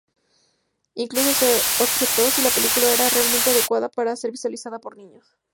Incluso se objetó si la película era realmente adecuada para ser visualizada por niños.